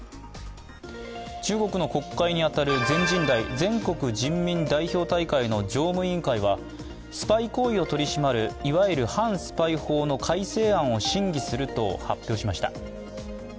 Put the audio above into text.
中国の国会に当たる全人代＝全国人民代表大会の常務委員会はスパイ行為を取り締まるいわゆる反スパイ法の改正案を審議すると発表しました。